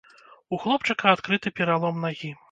У хлопчыка адкрыты пералом нагі.